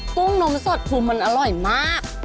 กุ้งนมสดคือมันอร่อยมาก